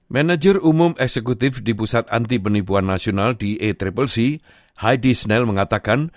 manager umum eksekutif di pusat anti penipuan nasional di accc heidi snell mengatakan